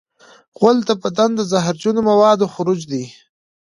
غول د بدن د زهرجنو موادو خروج دی.